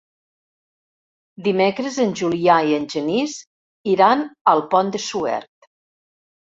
Dimecres en Julià i en Genís iran al Pont de Suert.